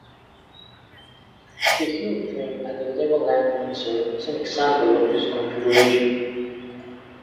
The Hill Train at Legoland, Windsor, is an example of this configuration.